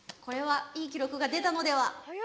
これはいいきろくがでたのでは？